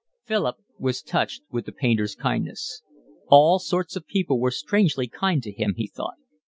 Philip was touched with the painter's kindness. All sorts of people were strangely kind to him, he thought.